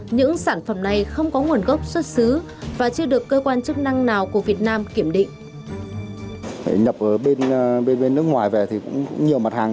những sản phẩm này không có nguồn gốc xuất xứ và chưa được cơ quan chức năng nào của việt nam kiểm định